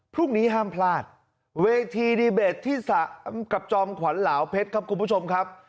พรุ่งนี้ห้ามพลาดเวทีดีเบตที่สะกับจอมขวัญเหลาเพชรครับคุณผู้ชมครับ